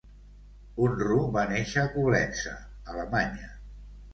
Unruh va néixer a Coblença, Alemanya.